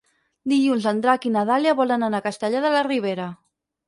Dilluns en Drac i na Dàlia volen anar a Castellar de la Ribera.